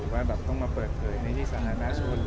ว่าต้องมาเปิดเกย์ในที่สนาด้าชน